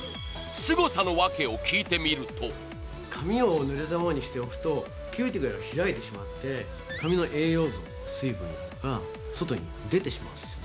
すごさの訳を聞いてみると髪を濡れたままにしておくとキューティクルが開いてしまって髪の栄養分とか水分などが外に出てしまうんですよね